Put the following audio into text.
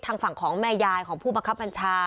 ทางฝั่งของแม่ยายของผู้บังคับบัญชา